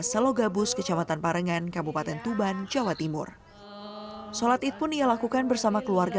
selogabus kecamatan parengan kabupaten tuban jawa timur sholat it pun dilakukan bersama keluarga